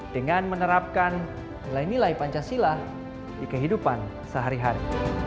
dengan menerapkan nilai nilai pancasila di kehidupan sehari hari